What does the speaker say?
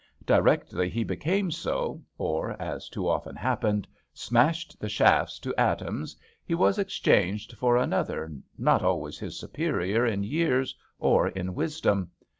Directly he became so, or — as too often happened — smashed the shafts to atoms, he was exchanged for another not always his superior in years or in wisdom.